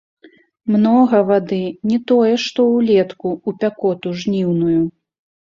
Многа вады, не тое, што ўлетку, у пякоту жніўную.